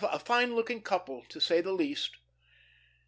A fine looking couple, to say the least."